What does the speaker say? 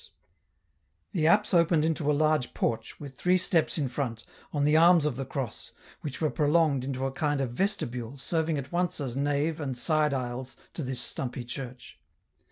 l6S The apse opened into a large porch, with three steps in front, on the arms of the cross, which were prolonged into a kind of vestibule serving at once as nave and side aisles to this stumpy church.